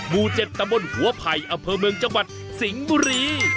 หมู่๗ตำบลหัวไผ่อำเภอเมืองจังหวัดสิงห์บุรี